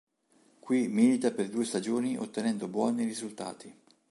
Qui milita per due stagioni ottenendo buoni risultati.